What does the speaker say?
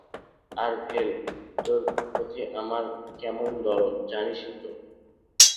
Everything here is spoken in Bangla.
আরে ভেল, তোর প্রতি আমার কেমন দরদ, জানিসই তো।